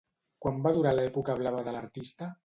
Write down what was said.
Quant va durar l'època blava de l'artista?